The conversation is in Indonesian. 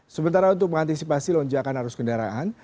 sementara untuk mengantisipasi lonjakan arus kendaraan